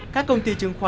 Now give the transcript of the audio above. các công ty chứng khoán